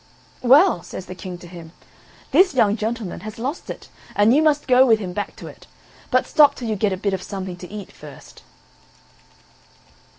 "Well," says the King to him; "this young gentleman has lost it, and you must go with him back to it; but stop till you get a bit of something to eat first."